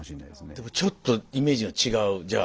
でもちょっとイメージが違うじゃあ。